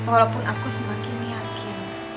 walaupun aku semakin yakin